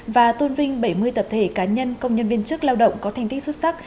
và tôn vinh bảy mươi tập thể cá nhân công nhân viên chức lao động có thành tích xuất sắc